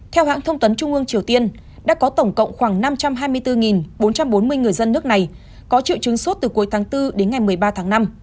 theo hãng thông tấn trung ương triều tiên đã có tổng cộng khoảng năm trăm hai mươi bốn bốn trăm bốn mươi người dân nước này có triệu chứng sốt từ cuối tháng bốn đến ngày một mươi ba tháng năm